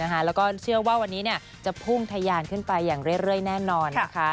แล้วก็เชื่อว่าวันนี้จะพุ่งทะยานขึ้นไปอย่างเรื่อยแน่นอนนะคะ